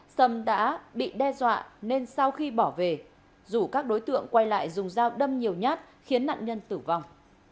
sâm đã bị đe dọa nên sau khi bỏ về dù các đối tượng quay lại dùng dao đâm nhiều nhát khiến nạn nhân tử vong